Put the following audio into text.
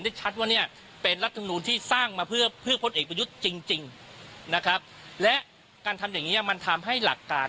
โดยเฉพาะเรื่องแรกสองห้าสิบคน